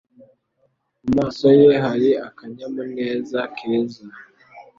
Mu maso ye hari akanyamuneza keza.